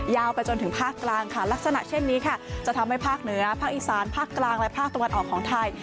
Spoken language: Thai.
ไปจนถึงภาคกลางค่ะลักษณะเช่นนี้ค่ะจะทำให้ภาคเหนือภาคอีสานภาคกลางและภาคตะวันออกของไทย